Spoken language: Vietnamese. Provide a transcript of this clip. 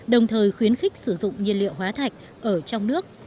đồng thời khuyến khích sử dụng nhiên liệu hóa thạch ở trong nước